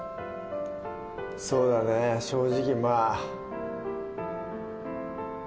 そうだね正直まあ。